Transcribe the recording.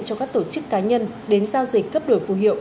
cho các tổ chức cá nhân đến giao dịch cấp đổi phù hiệu